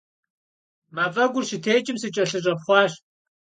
Мафӏэгур щытекӏым, сыкӏэлъыщӏэпхъуащ.